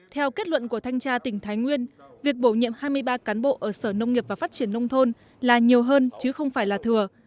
theo kết luận của thanh tra tỉnh thái nguyên việc bổ nhiệm hai mươi ba cán bộ ở sở nông nghiệp và phát triển nông thôn là nhiều hơn chứ không phải là thừa